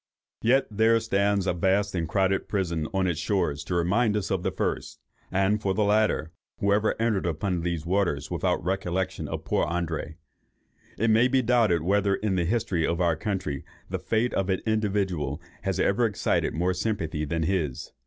Yet there stands a vast and crowded prison on its shores to remind us of the first—and for the latter, who ever entered upon these waters without a recollection of poor André? It may be doubted whether in the history of our country the fate of an individual has ever excited more sympathy than his.